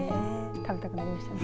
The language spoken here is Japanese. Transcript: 食べたくなりましたね。